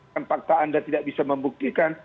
kan fakta anda tidak bisa membuktikan